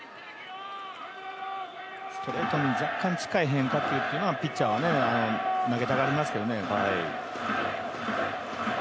ストレートに若干近い変化球というのをピッチャーは投げたがりますけどね。